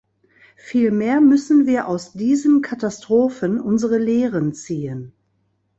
Vielmehr müssen wir aus diesen Katastrophen unsere Lehren ziehen.